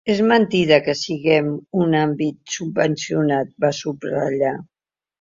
És mentida que siguem un àmbit subvencionat –van subratllar—.